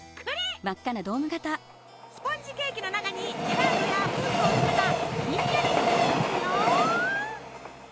スポンジケーキの中にジェラートやムースを詰めたひんやりスイーツよ！